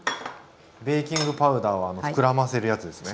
ベーキングパウダーは膨らませるやつですね。